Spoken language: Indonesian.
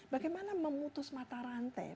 bagaimana memutus mata rantai